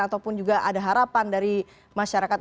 ataupun juga ada harapan dari masyarakat